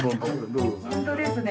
本当ですね。